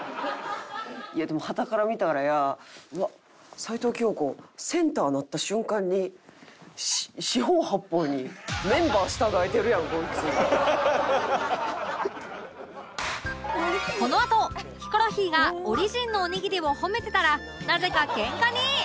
でもはたから見たらやうわっ齊藤京子センターなった瞬間に四方八方にこのあとヒコロヒーがオリジンのおにぎりを褒めてたらなぜかケンカに